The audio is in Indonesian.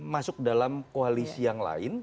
masuk dalam koalisi yang lain